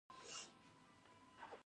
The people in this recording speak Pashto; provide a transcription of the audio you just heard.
زه د ستونزو پر ځای، حللاري لټوم.